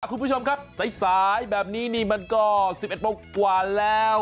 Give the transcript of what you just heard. คุณผู้ชมครับสายแบบนี้นี่มันก็๑๑โมงกว่าแล้ว